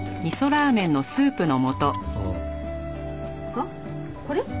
あっこれ？